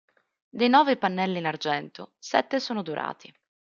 Dei nove pannelli in argento, sette sono dorati.